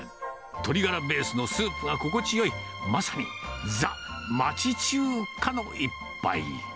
鶏ガラベースのスープが心地よい、まさにザ・町中華の一杯。